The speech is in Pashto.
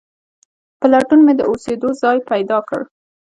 په لټون مې د اوسېدو ځای پیدا کړ.